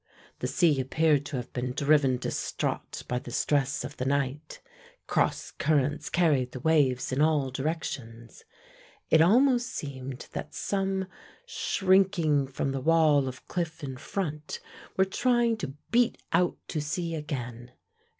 The sea appeared to have been driven distraught by the stress of the night; cross currents carried the waves in all directions: it almost seemed that some, shrinking from the wall of cliff in front, were trying to beat out to sea again.